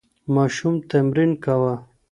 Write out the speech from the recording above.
ماشوم تمرین کاوه.